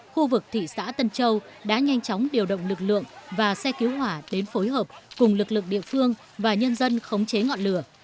khu vực thị xã tân châu đã nhanh chóng điều động lực lượng và xe cứu hỏa đến phối hợp cùng lực lượng địa phương và nhân dân khống chế ngọn lửa